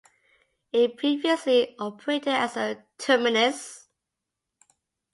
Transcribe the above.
It previously operated as a terminus.